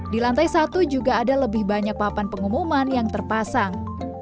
di lantai satu juga ada lebih banyak papan pengumuman yang terpasang